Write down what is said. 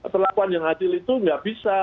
perlakuan yang adil itu nggak bisa